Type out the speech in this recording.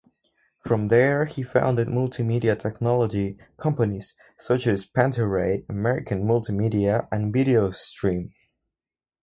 From there he founded multimedia technology companies such as Pantaray, American Multimedia, and VideoStream.